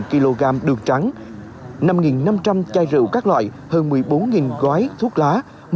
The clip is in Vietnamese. hai mươi hai kg đường trắng năm năm trăm linh chai rượu các loại hơn một mươi bốn gói thuốc lá